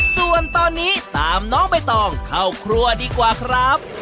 ส่วนตอนนี้ตามน้องใบตองเข้าครัวดีกว่าครับ